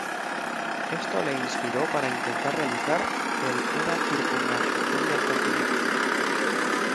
Esto le inspiró para intentar realizar el una circunnavegación del continente.